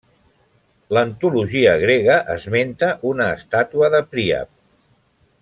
L'antologia grega esmenta una estàtua de Príap.